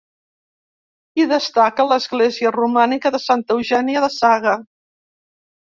Hi destaca l'església romànica de Santa Eugènia de Saga.